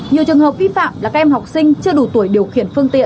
nhiều trường hợp vi phạm là các em học sinh chưa đủ tuổi điều khiển phương tiện